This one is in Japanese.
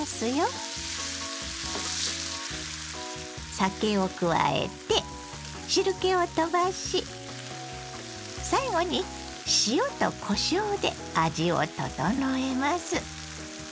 酒を加えて汁けをとばし最後に塩とこしょうで味を調えます。